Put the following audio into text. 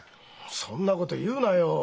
そんなこと言うなよ。